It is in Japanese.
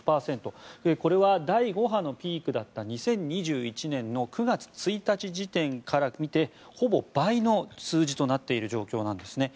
これは第５波のピークだった２０２１年の９月１日時点から見てほぼ倍の数字となっている状況なんです。